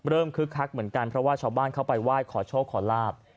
คึกคักเหมือนกันเพราะว่าชาวบ้านเข้าไปไหว้ขอโชคขอลาบ